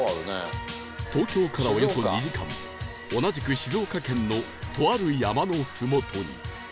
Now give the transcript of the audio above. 東京からおよそ２時間同じく静岡県のとある山のふもとに